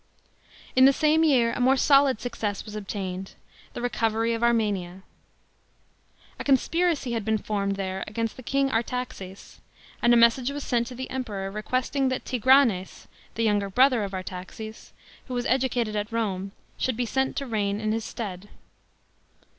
f In the same year a more solid success was obtained, the recovery of Armenia. A conspiracy had been formed there against the king Artaxes, and a message was sent to the Emperor, requesting that Tigranes (the younger brother of Artaxes), who was educated at Rome, should be sent to reign in his stead.